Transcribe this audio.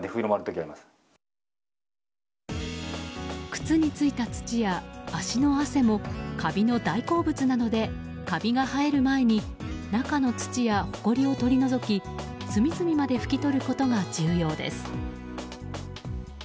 靴に付いた土や足の汗もカビの大好物なのでカビが生える前に中の土や、ほこりを取り除き隅々まで拭き取ることが重要です。